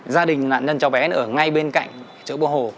gia đình nạn nhân chó bé ở ngay bên cạnh chỗ bộ hồ